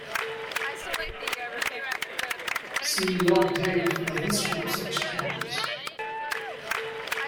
See log table for the history of such tables.